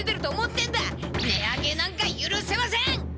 値上げなんかゆるせません！